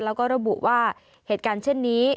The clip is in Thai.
แล้วก็ระบุว่าเหตุการณ์เช่นนี้